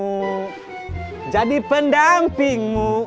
biarkan aku jadi pendampingmu